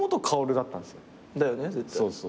だよね絶対。